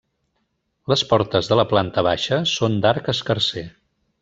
Les portes de la planta baixa són d'arc escarser.